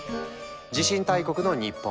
地震大国の日本。